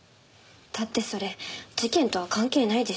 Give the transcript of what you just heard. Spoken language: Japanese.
だってそれ事件とは関係ないでしょ。